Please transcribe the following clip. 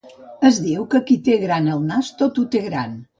Es diu que qui té gran el nas tot ho té gran.